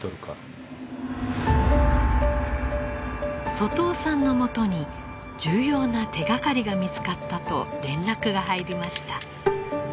外尾さんのもとに重要な手がかりが見つかったと連絡が入りました。